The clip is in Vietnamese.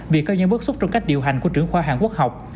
vì có những bước xuất trong cách điều hành của trường khoa hạng quốc học